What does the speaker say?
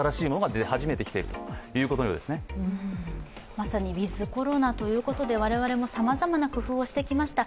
まさにウィズ・コロナということで我々もさまざまな工夫をしてきました。